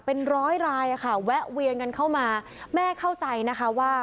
เป็นร้อยรายอะค่ะแวะเวียนกันเข้ามาแม่เข้าใจนะคะว่า